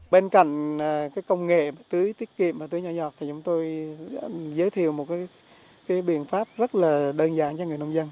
bên cạnh công nghệ tưới tiết kiệm và tưới nhỏ giọt thì chúng tôi giới thiệu một biện pháp rất là đơn giản cho người nông dân